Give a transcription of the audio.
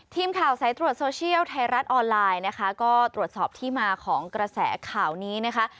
ทีมข่าวสายตรวจโซเชียลไทยรัฐออนไลน์นะคะก็ตรวจสอบที่มาของกระแสข่าวนี้นะคะ